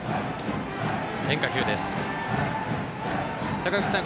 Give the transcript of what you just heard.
坂口さん